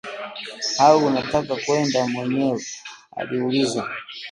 Au unataka kwenda mwenyewe? Aliuliza